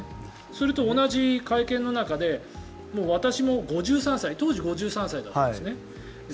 それと、同じ会見の中で私も５３歳当時５３歳だったんですね。